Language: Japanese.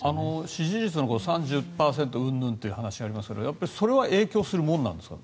支持率の３０％うんぬんという話がありますがやっぱりそれは影響するものなんですか？